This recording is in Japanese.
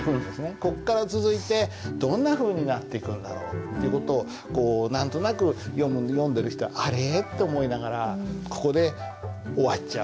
こっから続いてどんなふうになっていくんだろうっていう事をこう何となく読んでる人はあれって思いながらここで終わっちゃう。